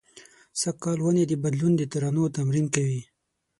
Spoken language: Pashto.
سږ کال ونې د بدلون د ترانو تمرین کوي